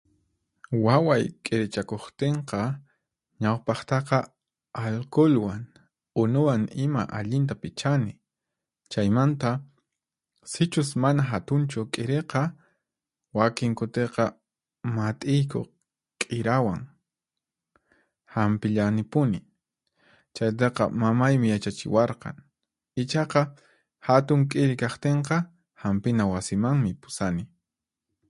Waway k'irichakuqtinqa, ñawpaqtaqa alkulwan, unuwan iman allinta pichani. Chaymanta, sichus mana hatunchu k'iriqa, wakin kutiqa mat'iyku k'irawan, hampillanipuni, chaytaqa mamaymi yachachiwarqan. Ichaqa, hatun k'iri kaqtinqa, Hanpina Wasimanmi pusani.